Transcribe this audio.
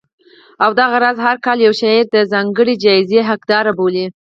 او دغه راز هر کال یو شاعر د ځانګړې جایزې حقدار بولي